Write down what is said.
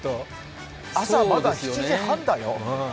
朝まだ７時半だよ。